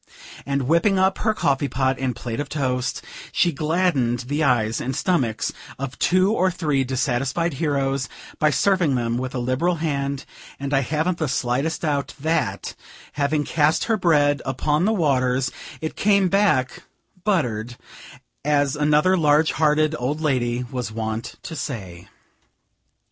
And, whipping up her coffee pot and plate of toast, she gladdened the eyes and stomachs of two or three dissatisfied heroes, by serving them with a liberal hand; and I haven't the slightest doubt that, having cast her bread upon the waters, it came back buttered, as another large hearted old lady was wont to say.